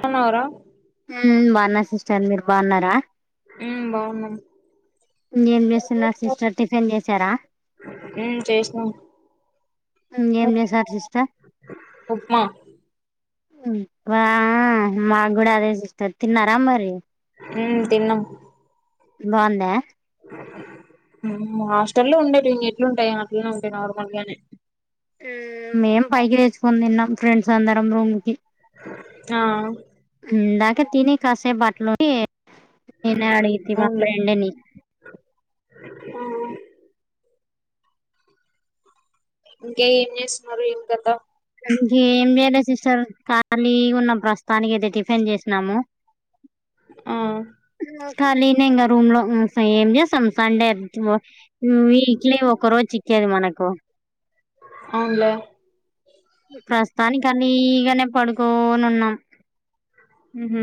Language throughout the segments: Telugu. న్నారా హ్మ్ బాగున్నా సిస్టర్ మీరు బాగున్నారా హ్మ్ బాగున్నాం ఇంగేం చేస్తున్నారు సిస్టర్ టిఫిన్ చేసారా హ్మ్ చేసినా ఏం చేసారు సిస్టర్ ఉప్మా అబ్బా మా కూడా అదే సిస్టర్ తిన్నారా మరి ఉమ్ తిన్నాం బాగుందా హాస్టల్లో ఉండేటియ్ ఇంగేట్లుంటాయి అట్లనే ఉంటాయి నార్మల్ గానే మేం పైకి తెచ్చుకొని తిన్నాం ఫ్రెండ్స్ అందరం రూమ్ కి ఆ ఇందాకే తిని కాసేపు బట్టలు ఉతికి నేనే అడిగితి మా అవునులే ఫ్రెండ్ ని ఆ ఇంకా ఏం చేస్తున్నారు ఏం కథ ఇంకేం చేయలే సిస్టర్ ఖాళీగా ఉన్న ప్రస్తుతానికి అయితే టిఫిన్ చేసినాము ఆ ఉమ్, ఖాళీనే ఇంకా రూమ్ లో ఏం చేస్తాం సండే వీక్లీ ఒక రోజు చిక్కేది మనకు అవునులే ప్రస్తుతానికి ఖాళీగానే పడుకోని ఉన్నాం ఉహు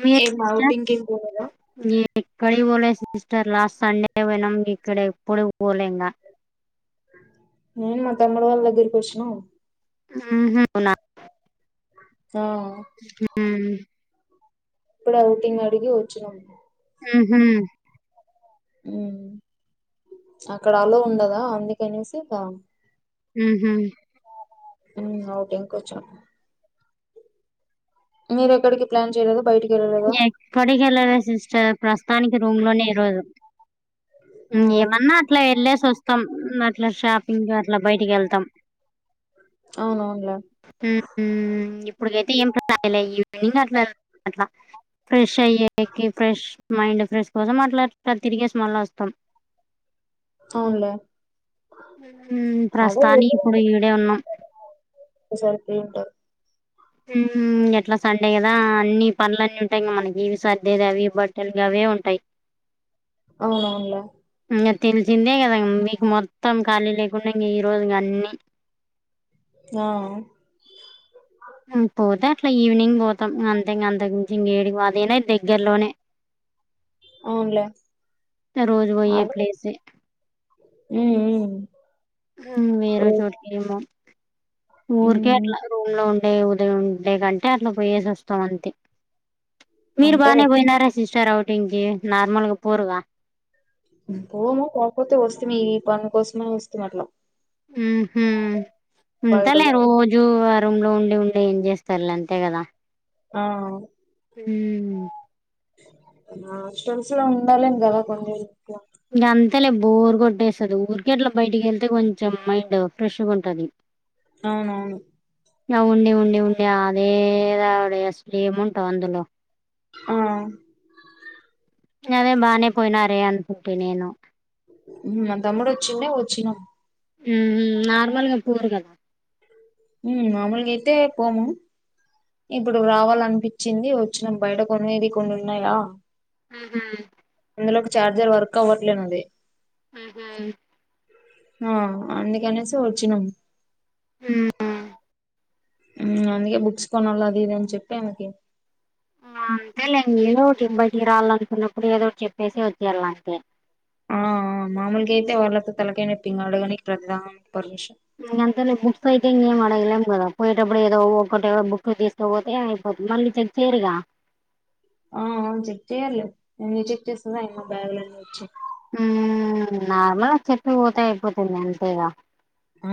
మీరు ఏం సిస్టర్ ఔటింగ్ ఏం పోలేదా ఎక్కడికి పోలే సిస్టర్ లాస్ట్ సండే పోయినాం ఇక్కడ ఎప్పుడు పోలే ఇంకా నేను మా తమ్ముడు వాళ్ళ దగ్గరికి వచ్చినా ఉహు అవునా దా హ్మ్ ఇప్పుడే ఔటింగ్ అడిగి వచ్చినాం ఉహు హ్మ్ అక్కడ అలో ఉండదా అందుకనేసి ఇక ఉహు ఔటింగ్ కి వచ్చినాం మీరు ఎక్కడికి ప్లాన్ చెయలేదా బయటి ఎక్కడికెళ్ళలేదు సిస్టర్ ప్రస్తుతానికి రూమ్ లోనే ఈ రోజు ఆ ఏమన్నా అట్లా యెళ్ళేసి వస్తాం అట్లా షాపింగ్ కి అట్లా బయటికి యెళ్తాం అవునవునులే హ్మ్ ఇప్పుడుకైతే ఏమ్ లే ఈవినింగ్ అట్లా అట్లా ఫ్రెష్ అయ్యేకి ఫ్రెష్ మైండ్ ఫ్రెష్ కోసం అట్లా తిరిగేసి మళ్ళ వస్తాం అవునులే ప్రస్తుతానికి ఇప్పుడు ఈడే ఉన్నాం విసారికి ఉంట హ్మ్ ఎట్లా సండే కదా అన్ని పనుల అన్నీ ఉంటాయి మనకి ఇవి సర్దేది అవి బట్టలు గవే ఉంటాయి అవునవునులే ఇంగా తెల్చిందే గదా మీకు మొత్తం ఖాళీ లేకుండా ఇంగా ఈ రోజు ఇంగా అన్నీ ఆ ఉ పోతే అట్లా ఈవినింగ్ వోతాం అంతె ఇంగ అంతకుమించి ఇంగ ఏడికి వాదే అదేనా దేగ్గర్లోనే అవునులే ఇగ రోజు వోయి అదే ఎట్ల ఎసె ఉమ్ ఉ హుమ్ వేరే చోటుకెమో ఊరికే ఉమ్ అట్లా రూమ్లో ఉన్ లే ఉదయం ఉంటే కంటే అట్లా పోయేసి అస్తాం అంతే మీరు బాగనే అంతేలే బోయినారా సిస్టర్ అవుటింకి నార్మల్గా పోరు గా పోము కాక్పోతే ఒస్తిమీ ఈ పన్ను కోసమే ఒస్తిమీ అట్ల ఉహు బయట ఉంతలే కూడా రోజు యు వారంలో ఉండి ఉండి ఏన్ జేస్తళ్ళు అంతే గదా ఆ ఉ ఆ తుల్సివన్ ఉండలేం గదా కొన్నీ ఇంగా అంతేలే బోరూ గొట్టేస్తాది ఊర్కేట్లా బైటికెళ్తే కొంచెం మైండు ఫ్రెషుగుంటది. అవునవును ఇంగ ఉండి ఉండి ఉండి ఆదే దడ అస్లు ఏముంటావు అందులో ఆ అదే బానే పోయినారే అనుకుంటే నేను ఉమ్ తమ్ముడు ఒచ్చిండే ఒచ్చినా ఉమ్ హు నార్మల్గా పోరు గదా ఉమ్ మాముల్గ ఐతే పోము ఇప్పుడు రావాలన్పించ్చింది ఒచ్చిం బైట కొనేది కొన్ని ఉన్నాయా ఉహు అందులో ఒక ఛార్జర్ వర్క్ అవ్వట్లేన్ ఉంది ఉహు ఆ అందుకనేసే ఒచ్చినం ఊ ఊమ్ అందుకే బుక్స్ కొనాలి అది ఇది అన్ జెప్పి ఆమెకి ఉ అంతేలేండి ఏదో ఒటి ఇబ్బకిరాలనుకున్నప్పుడు ఏదో ఒటి చెప్పేసి ఒచ్చేళ్లా అంతే ఆ మామూల్గా ఐతే వాళ్ళతో తల్కయ్ నొప్పి ఇంగ అడుగానికి ప్రతి దానికి పర్మిషన్ ఉమ్ అంతలే బుక్ అయితే ఇంగ ఏం అడగలేం గదా పోయేటప్పుడు ఏదో ఒక్కటో బుక్ తీస్ ఇట్ల పోతే అయిపోతది మళ్ళీ చెక్ చేయర్ గా ఆ అవును చెక్ చెయ్యార్ లే ఎందుక్ చెక్ చేస్తది ఆయమ్మ బ్యాగులని ఒచ్చి ఉమ్ నార్మల్ చెప్పి వోతే అయిపోతది గా అంతేగా ఊ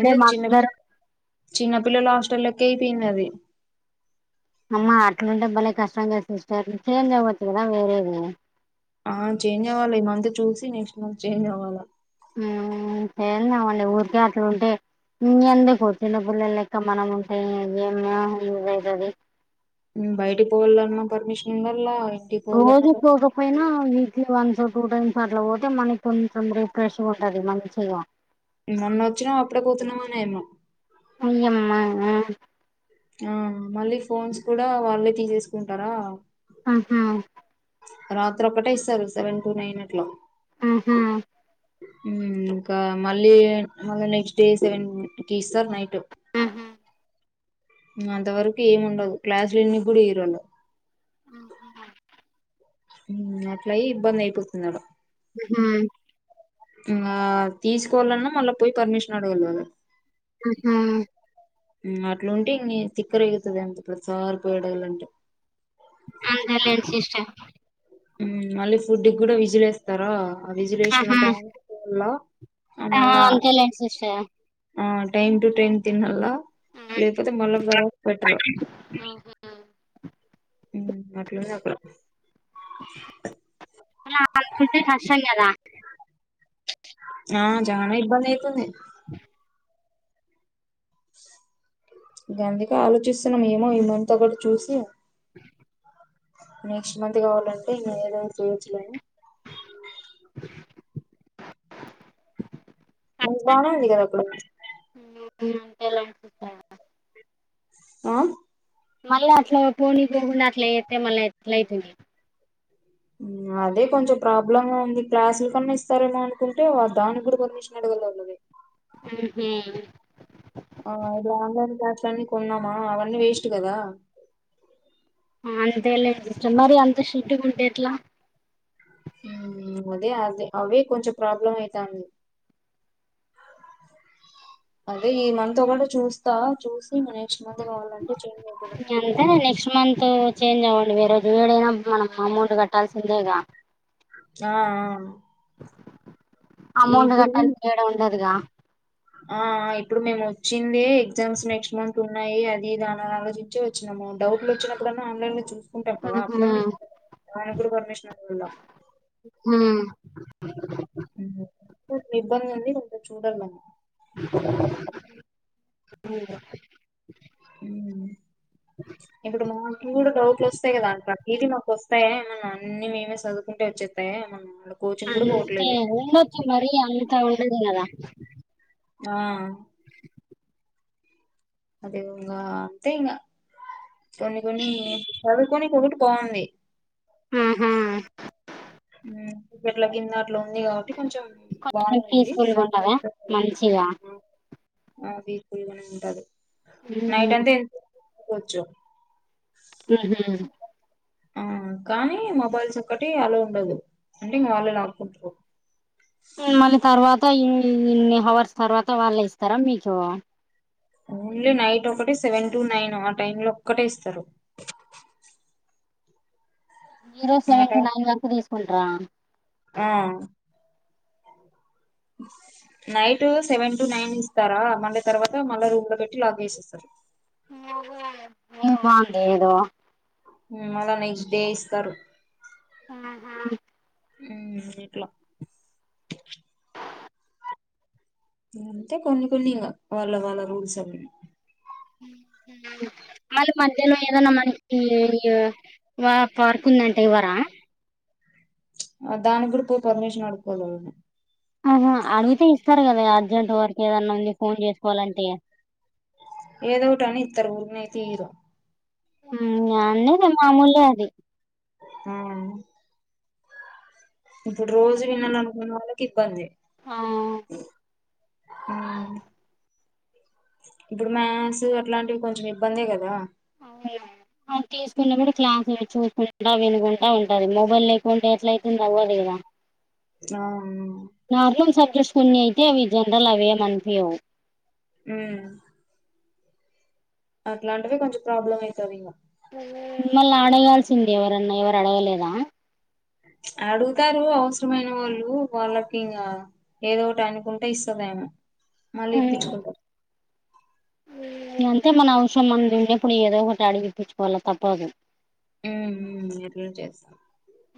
అదే మాందరు చిన్నపిల్ చిన్నపిల్లల హాస్టల్ లెక్క అయిపేంది అది అమ్మ అట్లుంటే భలే కష్టం గదా సిస్టర్ చేంజ్ అవ్వచ్చు గదా వేరేది ఆ చేంజ్ అవ్వాలి ఈ మంత్ చూసి నెక్స్ట్ మంత్ చేంజ్ అవ్వాలి ఉమ్ సేనమండి ఊరికే అట్లుంటే ఇంగెందుకు చిన్న పుల్లల్ లెక్క మనం ఉంటే ఏం మ్యాన్ అయితది ఉమ్ బైటి పోవాల్లన్నా పర్మిషన్ గల్లా రోజు పోదం పోయినా వీక్లీ వన్స్ టూ టైమ్స్ అట్లా వోతే మనక్ కొంచెం రిఫ్రెష్గ ఉంటది మంచిగా మొన్న ఒచ్చినవ్ అప్పుడే కోతున్నావ్ అనేమో అయ్యమ్మా ఆ మళ్ళీ ఫోన్స్ కూడా వాళ్ళే తీసేస్కుంటరా అహవ్ రాత్రి ఒక్కటే ఇస్తరు సెవెన్ టూ నైన్ అట్ల మ్ హ్ మ్ ఇంకా మళ్ళీ మళ్ళీ నెక్స్ట్ డే సెవెన్కిస్తర్ నైట్ ఆహా ఆహా మ్ అంతవర్క్ ఏముండదు క్లాసులు ఇన్నిక్ గుడ ఇయ్యరోళ్ళు అవునా మ్ అట్లై ఇబ్బందైపోతుందాడ మ్ హ్ ఆ తీస్కోవాలన్న మళ్ళ పోయి పర్మిషన్ అడగాల్ వాళ్ళ అహ మ్ అట్లుంటే ఇంగి తిక్కరేగుతది అంతే ప్రతిసారి పోయి అడగాలంటే అంతేలే సిస్టర్ మ్ మళ్ళీ ఫుడ్ గుడా విజిలేస్తారా ఆ విజిలేసిన ఆహా వెంటనే పోవాలా ఆ అంతేలేే సిస్టర్ ఆ టైమ్ టు టైమ్ తినాల లేకపోతే మళ్ళ తర్వాత పెట్టరు. మ్ అట్లుంది అక్కడ మరి అంతుంటే కష్టం గదా ఆ చానా ఇబ్బందైతుంది. గుందుకే ఆలోచిస్తున్నాం ఏమో ఈ మంత్ ఒకట్ చూసి నెక్స్ట్ మంత్ కావాలంటే ఇగ ఏదో ఒకటి చేయచ్చులే అని ఓ వావ్ ఇగ నప్పుడు మ్ మ్ అంతెలే ఆ మరీ అట్ల పోనీ పోకుండ అట్ల చెత్తే మళ్ళ ఎట్లైతది. అదే కొంచం ప్రాబ్లంగా ఉంది క్లాసుల్ కన్నా ఇస్తారేమో అనుకుంటే దానికి కూడా కొన్ని అడుగులోల్లది మ్ హ్ ఆ ఇలా ఆన్లైన్ క్లాస్లని కొన్నమా అవన్నీ వేస్ట్ గదా అంతేలే సిస్టర్ మరి అంత స్ట్రిక్ట్ గుంటె ఎట్ల మ్ అదే అదే అవే కొంచం ప్రాబ్లం అయితాంది. అదే ఈ మంత్ ఒకటి చూస్తా చూసి మ నెక్స్ట్ మంత్ కావాలంటే చేంజ్ అయిత ఇగ అంతేలే నెక్స్ట్ మంత్ చేంజ్ అవ్వండి ఏ ఏడైనా మనం అమౌంట్ కట్టాల్సిందేగా ఆ ఆ అమౌంట్ ఇప్పుడు కట్టాల్సి చేయడం ఉన్నదిగా ఆ ఇప్పుడు మేం వచ్చిందే ఎగ్జామ్స్ నెక్స్ట్ మంత్ ఉన్నాయి అది ఇది దన్ ఆలోచించ్ చ్చే వచ్చినము డౌట్లు వచ్చినప్పుడ ఆన్లైన్లో చూస్ ఉంటాం కదా ఉహుం. అట్లని ఆయనక్ గుడా పర్మిషన్ [unintelligible] మ్మ్ కొంత ఇబ్బందుంది కొంత చూడను [inaudible] ఎప్పుడు నువ్వు చూడు డౌట్ లెస్సే కదా [unintelligible] వస్తాయా ఏమన్న అన్ని మేమే చదువుకుంటే వచ్చేస్తాయ ఏమన్న అంతే ఉండచ్చు మరీ అంత ఉండదుకదా ఆ అదేంకా అంటే ఇంకా కొన్ని కొన్ని చదువుకొని కొడుటి పోంది ఆహా హూ చెట్ల గిన్న అట్లు ఉంది కాబట్టి కొంచెం కొంచెం బానే ఉంది పీస్ఫుల్గా ఉంటద మంచిగా ఆ పీస్ఫుల్ గుంటది నైట్ ఉమ్. అంతేకోచ్చు ఊహు ఆ కానీ మొబైల్స్ ఒక్కటి అలో ఉండదు అంటే ఇంక వాళ్ళే లాక్కుంటురు ఇంగ మళ్ళీ తర్వాత ఇన్ని ఇన్ని హవర్స్ తర్వాత వాల్లే ఇస్తారా మీకు ఓన్లీ నైట్ ఒకటి సెవెన్ టు నైన్ ఆ టైమ్ లో ఒక్కటే ఇస్తారు జీరో ఆ సెవన్ టు టైం నైన్ వరకు తీసుకుంటారా ఆ నైటు సెవెన్ టు నైన్ ఇస్తారా మళ్ళీ తర్వాత మళ్ళా రూమ్ లో పెట్టి లాక్ చేసేస్తారు ఊహు మాకేదో హూ మల్లా నెక్స్ట్ డే ఇస్తారు ఆహా ఉ ఇట్లా అంటే కొన్ని కొన్ని ఇంగ వాళ్ళ వాళ్ళ రూల్స్ అవ్వి మళ్ళీ మధ్యహ్నం ఏదన్నా మనకి ఇయో వా పార్క్ ఉందంటే ఇవ్వారా దాని కూడా పోయి పర్మిషన్ అడుక్కోవాలి అహా అడిగితే ఇస్తారు కదా అర్జెంట్ వర్క్ ఏదన్నా ఉంది ఫోన్ చేస్కోవాలంటే ఏదోటి అని ఇత్తరు ఊరికేనైతే ఇయ్యారు ఊ అన్న ఇది మామూలే అది ఆ ఇప్పుడు రోజు వినాలనుకున్న వాళ్ళకిబ్బంది ఆ ఇప్పుడు మ్యాథ్స్ అట్లాంటివి కొంచెం ఇబ్బందే కదా అవున్ మా ఆ తీసుకున్నప్పుడు క్లాస్లు చూసుకుంటా వినుకుంటా ఉంటంది మొబైల్ లేకుంటే ఎట్ల అయితుంది అవ్వదు కదా ఆవును నార్మల్ సబ్జెక్ట్స్ కొన్ని అయితే అవి జనరలు అవేమనిపీయవు ఊ అట్లాంటివి కొంచం ప్రాబ్లం అయితదింగ మిమ్మల్ని అడగాల్సింది ఎవరన్నా ఎవరు అడగలేదా అడుగుతారు అవసరమైన వాళ్ళు వాళ్ళకి ఇంగా ఏదోటి అనుకుంట ఇస్తదామ మళ్ళీ ఇప్పించుకుంటది ఇగ అంతే మన అవసరం మనది ఉన్నేప్పుడు ఏదో ఒకటి అడిగిప్పించుకోవాలె తప్పదు ఊ ఊ ఎట్లునే చేస్తాం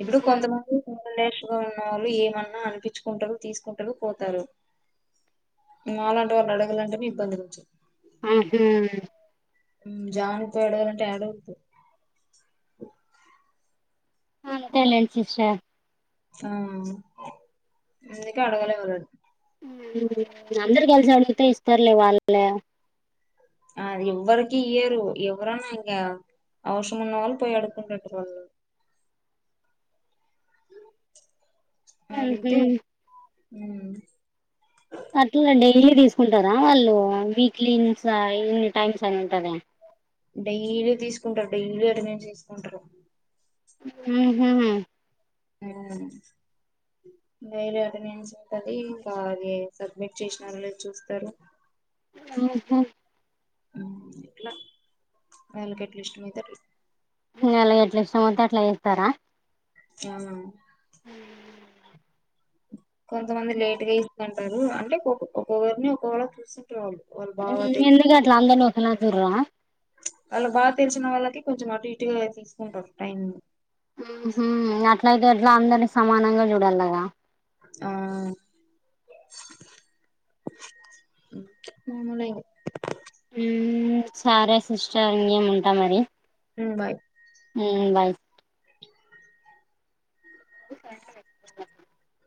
ఇప్పుడు కొంతమంది [unintelligible] గా ఉన్న వాళ్ళు ఏమన్నా అనిపించుకుంటారు తీసుకుంటారు పోతారు మాలాంటి వాళ్ళు అడగాలంటేనే ఇబ్బంది నుంచి ఆహా ఊ జారు పడేరు టడుకు అంతలేదు సిస్టర్ ఆ అందుకె అడగళ వాళ్ళను అందరు కలిసి అడిగితే ఇస్తారులే వాళ్ళే అది ఎవ్వరికి ఇయ్యరు ఎవ్వరనా ఇంకా అవసరం ఉన్న వాళ్ళు పోయ అడుకుంటుంటారు వాళ్ళు అడిగితే ఊ అట్లా డైలీ తీసుకుంటారా వాళ్ళు వీక్లీ ఈవినింగ్స్ ఇన్ని టైమ్స్ అని ఉంటదా డైలీ తీసుకుంటారు డైలీ అటేనేండ్స్ ఏసుకుంటారు ఉహు ఊ డైలీ అటెండెన్స్ ఉంటది ఇంకా అది సబ్మిట్ చేసినారో లేదో చూస్తారు ఓహో ఊ ఇట్ల వాళకి ఎట్లా ఇష్టం ఐతే అట్ల ఇగ ఆళ్ళు ఎట్లా ఇష్టం అతే అట్లా ఏస్తారా ఆ ఊ కొంతమంది లేట్ గా ఇస్తుకుంటారు అంటే కొక్ ఒక్కొక్కరిని ఒకొకల చూసి టాల్ వాల్ ఎందుకు అట్లా అందర్ని ఒకలా చూడరా ప్చ్ వాళ్ళు బాగా తెలిసిన వాళ్ళకి కొంచెం అటు ఇటుగా తీసుకుంటారు టైమ్ ఉహు అట్ల ఎట్లా అందరి సమానంగా చూడాలి కదా ఆ మాములే ఇగ ఊ సరే సిస్టర్ ఇంకేం ఉంటా మరి ఊ బాయ్ ఊ బాయ్ [inaudible]